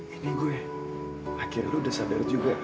ini gue ya akhirnya lu udah sadar juga